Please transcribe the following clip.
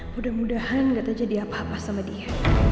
mudah mudahan gak terjadi apa apa sama dia